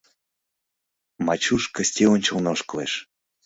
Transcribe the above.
Мачуш Кысти ончылно ошкылеш.